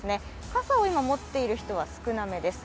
傘を今持っている人は少なめです。